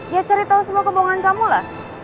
ya cari tau semua kebohongan kamu lah